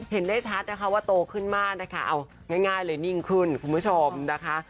เห็นได้ชัดนะคะว่าโตขึ้นมากนะคะเอาง่ายเลยนิ่งขึ้นคุณผู้ชมนะคะ